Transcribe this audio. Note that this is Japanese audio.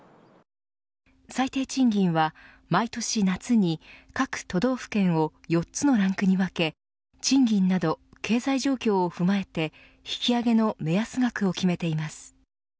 最低賃金は毎年、夏に各都道府県を４つのランクに分け賃金など、経済状況を踏まえて引き上げの目安額を決めています。